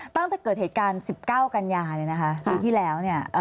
ตั้งแต่เกิดเหตุการณ์๑๙กันยาเนี่ยนะคะปีที่แล้วเนี่ย